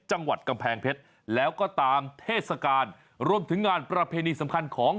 จังหวัดกำแพงเพชรแล้วก็ตามเทศกาลรวมถึงงานประเพณีสำคัญของ